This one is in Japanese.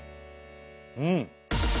うん！